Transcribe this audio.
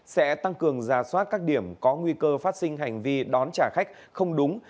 sẽ tăng cường giả soát các điểm có nguy cơ phát sinh hành vi đón trả khách không đúng